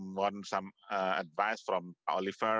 mendapatkan saran dari pak oliver